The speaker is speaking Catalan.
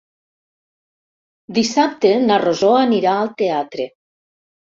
Dissabte na Rosó anirà al teatre.